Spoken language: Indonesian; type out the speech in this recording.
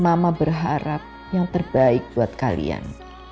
mama berharap yang terbaik buat kalian